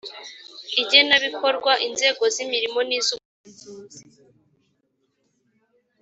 igenabikorwa inzego z imirimo n iz ubugenzuzi